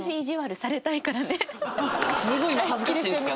すごい今恥ずかしいんですけど。